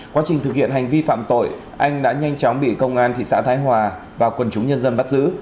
quá trình thực hiện hành vi phạm tội anh đã nhanh chóng bị công an thị xã thái hòa và quần chúng nhân dân bắt giữ